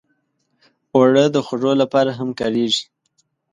اوړه د خوږو لپاره هم کارېږي